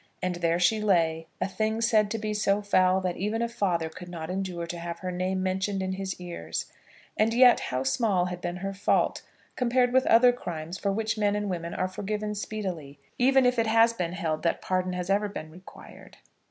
And there she lay, a thing said to be so foul that even a father could not endure to have her name mentioned in his ears! And yet, how small had been her fault compared with other crimes for which men and women are forgiven speedily, even if it has been held that pardon has ever been required.